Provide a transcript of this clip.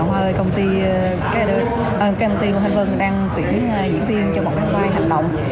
hoa là công ty của thanh vân đang tuyển diễn viên cho một cái vai hành động